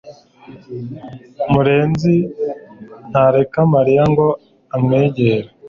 murenzi ntareka Mariya ngo amwegere